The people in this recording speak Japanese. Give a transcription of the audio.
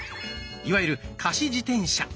いわゆる貸し自転車。